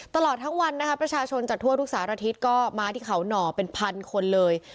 ตลอดทั้งวันนะคะประชาชนจากทั่วทุกสารทิศก็มาที่เขาหน่อเป็นพันคนเลย